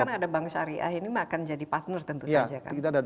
karena ada bank syariah ini akan jadi partner tentu saja kan